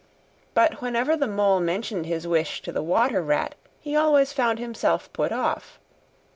But whenever the Mole mentioned his wish to the Water Rat he always found himself put off.